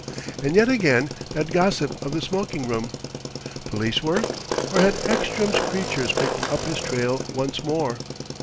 And yet, again, that gossip of the smoking room.... Police work? Or had Ekstrom's creatures picked up his trail once more?